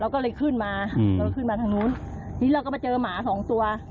เราก็เลยขึ้นมาอืมแล้วขึ้นมาทางนู้นนี่เราก็มาเจอหมาสองตัว